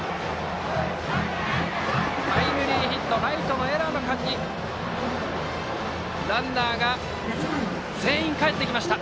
タイムリーヒットライトのエラーの間にランナーが全員かえってきました。